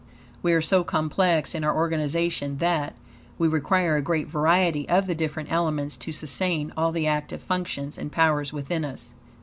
We are so complex in our organization that, we require a great variety of the different elements to sustain all the active functions and powers within us.